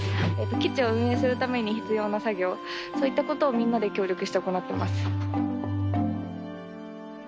基地を運営するために必要な作業そういったことをみんなで協力して行ってます。